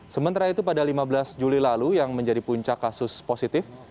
sementara itu pada lima belas juli lalu yang menjadi puncak kasus positif